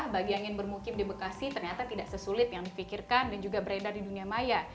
bagi yang ingin bermukim di bekasi ternyata tidak sesulit yang difikirkan dan juga beredar di dunia maya